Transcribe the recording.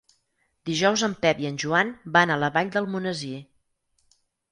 Dijous en Pep i en Joan van a la Vall d'Almonesir.